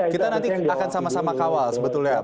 kita nanti akan sama sama kawal sebetulnya